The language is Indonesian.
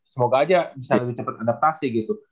semoga aja bisa lebih cepat adaptasi gitu